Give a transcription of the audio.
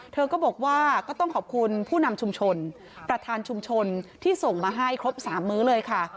เธอก็บอกว่าก็ต้องขอบคุณผู้นำชุมชนประธานชุมชนที่ส่งมาให้ครบ๓มื้อเลยค่ะ